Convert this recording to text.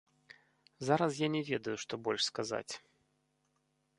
Зараз я не ведаю што больш сказаць.